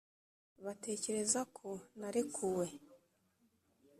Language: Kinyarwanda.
batekereza ko narekuwe,